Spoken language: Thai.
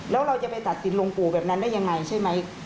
แล้วเราจะไปตัดสินลงปู่แบบนั้นได้ยังไงใช่ไหม